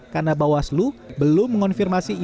karena bawaslu belum mengonfirmasikan